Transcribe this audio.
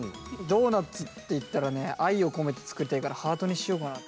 ドーナツっていったらね愛を込めて作りたいからハートにしようかなと。